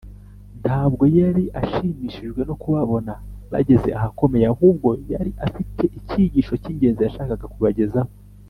ntabwo yari ashimishijwe no kubabona bageze ahakomeye ahubwo yari afite icyigisho cy’ingenzi yashakaga kubagezaho